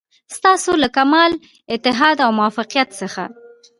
ستاسو له کمال اتحاد او موافقت څخه.